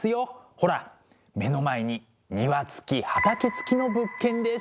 ほら目の前に庭付き畑付きの物件です！